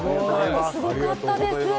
すごかったです。